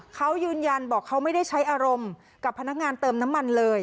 เขายืนยันบอกเขาไม่ได้ใช้อารมณ์กับพนักงานเติมน้ำมันเลย